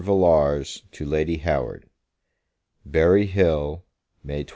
VILLARS TO LADY HOWARD Berry Hill, May 27.